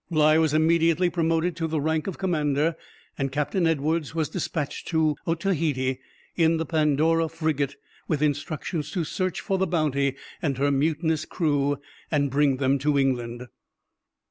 Bligh was immediately promoted to the rank of commander, and Captain Edwards was despatched to Otaheite, in the Pandora frigate, with instructions to search for the Bounty and her mutinous crew, and bring them to England.